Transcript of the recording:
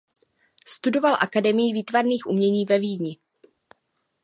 Studoval akademii výtvarných umění ve Vídni.